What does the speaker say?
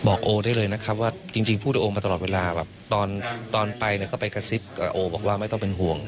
โอได้เลยนะครับว่าจริงพูดกับโอมาตลอดเวลาแบบตอนไปเนี่ยก็ไปกระซิบกับโอบอกว่าไม่ต้องเป็นห่วง